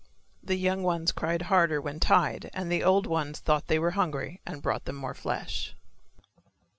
The young ones cried harder when tied and the old ones thought they were hungry and brought them more flesh.